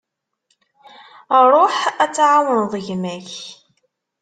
Ruḥ ad tɛawneḍ gma-k.